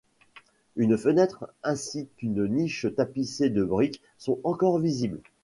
Une fenêtre, ainsi qu'une niche tapissée de briques, sont encore visibles.